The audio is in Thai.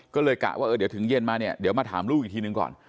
ก็เลยกะว่าเดี๋ยวถึงเย็นมาเนี่ยเดี๋ยวมาถามลูกอีกทีนึงก่อน